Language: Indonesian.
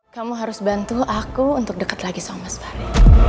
kamu harus bantu aku untuk dekat lagi sama mas fahri